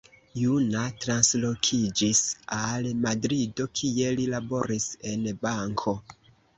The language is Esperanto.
Juna translokiĝis al Madrido, kie li laboris en banko.